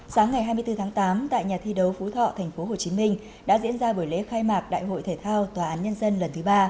sáng ngày hai mươi bốn tháng tám tại nhà thi đấu phú thọ tp hcm đã diễn ra buổi lễ khai mạc đại hội thể thao tòa án nhân dân lần thứ ba